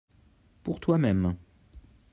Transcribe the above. Pour toi-même.